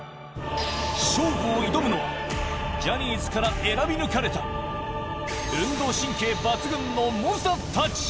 勝負を挑むのは、ジャニーズから選び抜かれた、運動神経抜群の猛者たち。